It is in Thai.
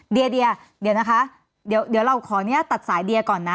เดี๋ยวเดี๋ยวนะคะเดี๋ยวเราขอตัดสายเดียก่อนนะ